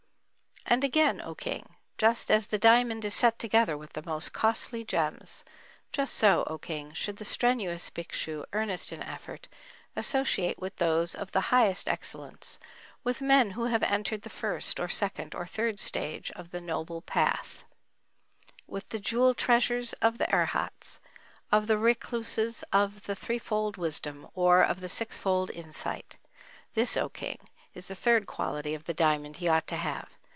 And again, O King, just as the diamond is set together with the most costly gems; just so, O King, should the strenuous Bhikshu, earnest in effort, associate with those of the highest excellence, with men who have entered the first or second or third stage of the Noble Path, with the jewel treasures of the Arahats, of the recluses of the threefold wisdom, or of the sixfold insight. This, O King, is the third quality of the diamond he ought to have.